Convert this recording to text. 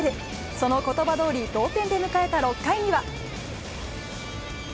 そのことばどおり、同点で迎えた６回には。